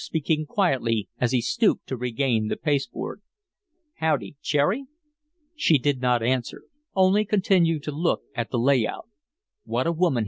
speaking quietly, as he stooped to regain the pasteboard: "Howdy, Cherry?" She did not answer only continued to look at the "lay out." "What a woman!"